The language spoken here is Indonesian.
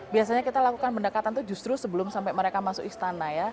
biasanya kita lakukan pendekatan itu justru sebelum sampai mereka masuk istana ya